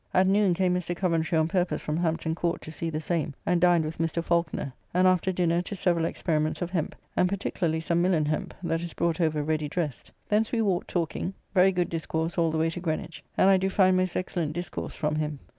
At noon came Mr. Coventry on purpose from Hampton Court to see the same, and dined with Mr. Falconer, and after dinner to several experiments of Hemp, and particularly some Milan hemp that is brought over ready dressed. Thence we walked talking, very good discourse all the way to Greenwich, and I do find most excellent discourse from him.